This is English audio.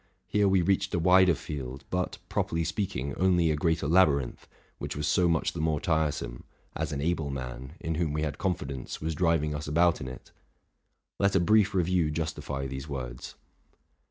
Here we reached a wider field, but, properly speaking, only a greater labyrinth, which was so much the more tiresome, as an able man, in whom we had confidence, was driving us about in it. Leta brief review justify these words.